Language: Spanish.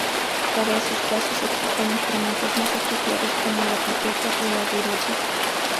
Para esos casos existen instrumentos más apropiados como la pipeta o la bureta.